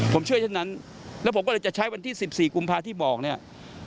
ผมเชื่อเช่นนั้นแล้วผมก็เลยจะใช้วันที่๑๔กุมภาที่บอกเนี่ย